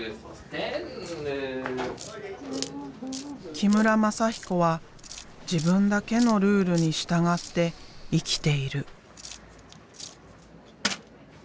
木村全彦は自分だけのルールに従って生きている。